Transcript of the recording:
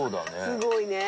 すごいね。